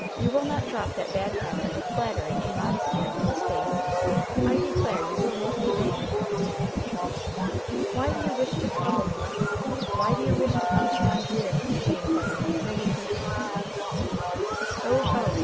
You will not drop that bad habit of flattering a modest man to his face. I declare you will make me vain." "Why do you wish to trouble me? Why do you wish to come to Mondreer?" she inquired, wringing her hands. "Oh, ho!